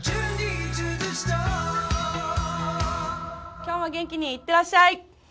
今日も元気にいってらっしゃい！